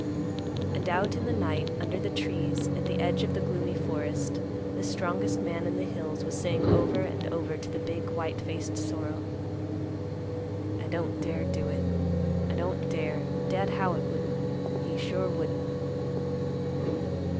And out in the night under the trees, at the edge of the gloomy forest, the strongest man in the hills was saying over and over to the big, white faced sorrel, "I don't dare do it. I don't dare. Dad Howitt wouldn't. He sure wouldn't."